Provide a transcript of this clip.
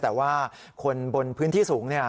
แต่ว่าคนบนพื้นที่สูงเนี่ย